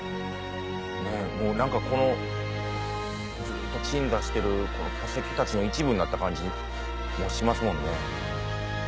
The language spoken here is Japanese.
もう何かこのずっと鎮座してる化石たちの一部になった感じもしますもんね。